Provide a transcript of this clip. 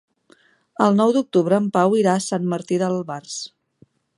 El nou d'octubre en Pau irà a Sant Martí d'Albars.